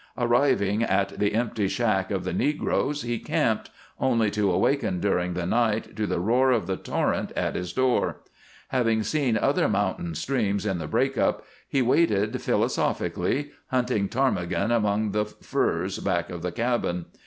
Arriving at the empty shack of the negroes, he camped, only to awaken during the night to the roar of the torrent at his door. Having seen other mountain streams in the break up, he waited philosophically, hunting ptarmigan among the firs back of the cabin.